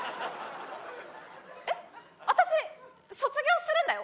えっ私卒業するんだよ？